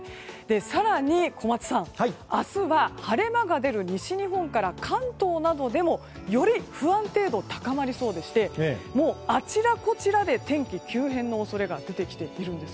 更に、小松さん明日は晴れ間が出る西日本から関東などでもより不安定度高まりそうでしてあちらこちらで天気急変の恐れが出てきているんです。